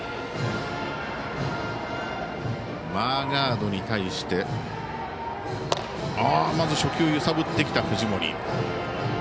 マーガードに対して初球揺さぶってきた藤森。